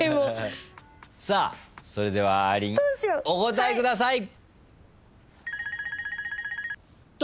さあそれではあーりんお答えください。